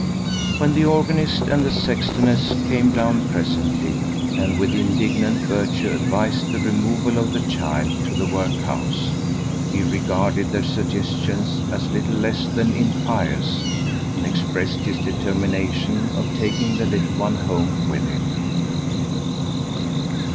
When the organist and the sextoness came down presently, and with indignant virtue advised the removal of the child to the workhouse, he regarded their suggestion as little less than impious, and expressed his determination of taking the little one home with him.